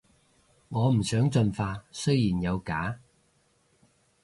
我唔想進化，雖然有假